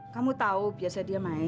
kamu tahu biasanya dia main